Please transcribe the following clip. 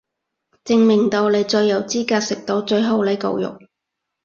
證明到你最有資格食到最後呢嚿肉